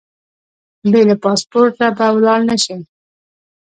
بې له پاسپورټه به ولاړ نه شې.